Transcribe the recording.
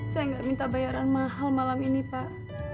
saya nggak minta bayaran mahal malam ini pak